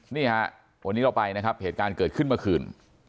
นี่ฮะวันนี้เราไปนะครับเหตุการณ์เกิดขึ้นเมื่อคืน